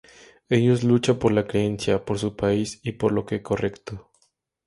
Ellos lucha por la creencia, por su país y por lo que correcto.